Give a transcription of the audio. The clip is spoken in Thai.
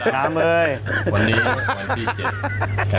สวัสดีครับ